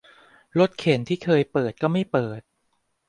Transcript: รถเข็นที่เคยเปิดก็ไม่เปิด